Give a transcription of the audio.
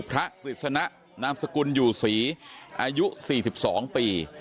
พระกฤษณะนามสกุลอยู่ศรีอายุสี่สิบสองปี